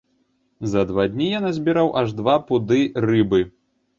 За два дні я назбіраў аж два пуды рыбы.